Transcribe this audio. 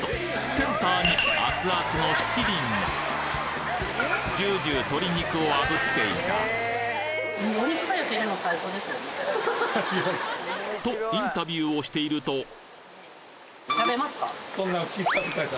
センターに熱々のじゅーじゅー鶏肉をあぶっていたとインタビューをしていると食べますか？